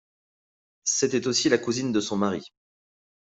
C'était aussi la cousine de son mari.